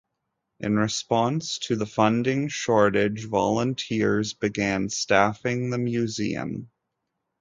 In response to the funding shortage, volunteers began staffing the museum.